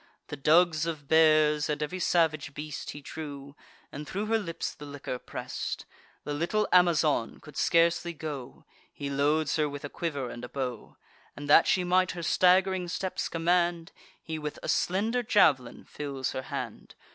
The dugs of bears, and ev'ry salvage beast, He drew, and thro' her lips the liquor press'd. The little Amazon could scarcely go: He loads her with a quiver and a bow; And, that she might her stagg'ring steps command, He with a slender jav'lin fills her hand.